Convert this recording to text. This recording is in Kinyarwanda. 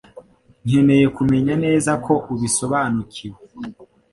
Nkeneye kumenya neza ko ubisobanukiwe.